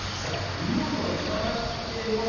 リモートがつながっています。